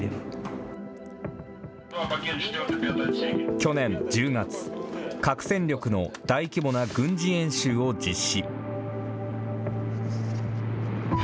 去年１０月、核戦力の大規模な軍事演習を実施。